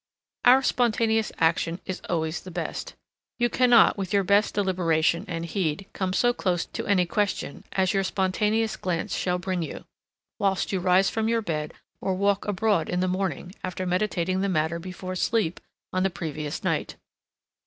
Our spontaneous action is always the best. You cannot with your best deliberation and heed come so close to any question as your spontaneous glance shall bring you, whilst you rise from your bed, or walk abroad in the morning after meditating the matter before sleep on the previous night.